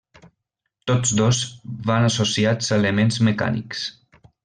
Tots dos van associats a elements mecànics.